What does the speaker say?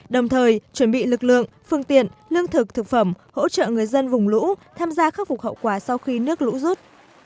đồng thời chuẩn bị lực lượng phương tiện lương thực thực phẩm hỗ trợ người dân vùng lũ tham gia khắc phục hậu quả sau khi nước lũ rút